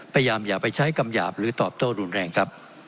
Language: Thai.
อย่าไปใช้กำหยาบหรือตอบโต้รุนแรงครับ